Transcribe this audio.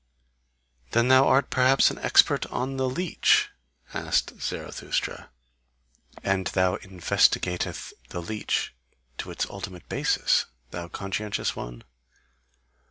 "Then thou art perhaps an expert on the leech?" asked Zarathustra; "and thou investigatest the leech to its ultimate basis, thou conscientious one?"